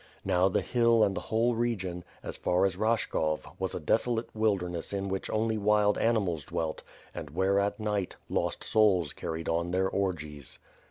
Now, the hill and the whole region, as far as Rashkov, was a desolate wild erness in which only wild animals dwelt and where at night, lost souls carried on their orgies.